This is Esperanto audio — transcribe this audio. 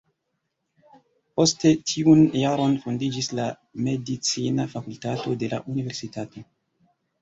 Poste tiun jaron fondiĝis la medicina fakultato de la universitato.